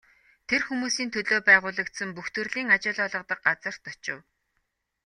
Тэр хүмүүсийн төлөө байгуулагдсан бүх төрлийн ажил олгодог газарт очив.